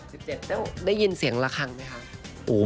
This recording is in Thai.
ได้ยินเสียงละครังไหมคะ